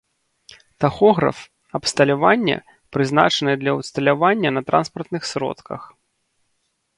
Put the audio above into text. Тахограф — абсталяванне, прызначанае для ўсталявання на транспартных сродках